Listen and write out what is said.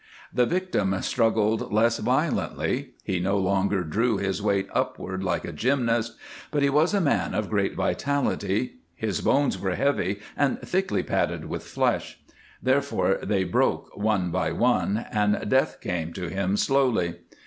The victim struggled less violently; he no longer drew his weight upward like a gymnast. But he was a man of great vitality; his bones were heavy and thickly padded with flesh, therefore they broke one by one, and death came to him slowly.